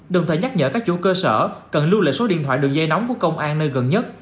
đồng thời nhắc nhở các chủ cơ sở cần lưu lệ số điện thoại đường dây nóng của công an nơi gần nhất